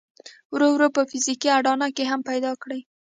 ورو ورو به فزيکي اډانه هم پيدا کړي.